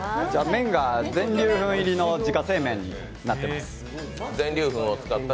麺が全粒粉の自家製麺になっております